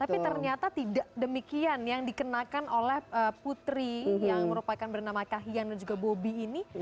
tapi ternyata tidak demikian yang dikenakan oleh putri yang merupakan bernama kahyang dan juga bobi ini